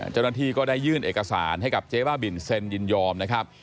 เจ้าหน้าที่ก็ได้ยื่นเอกสารให้กับเจ๊บ้าบินเซ็นยินยอมนะครับ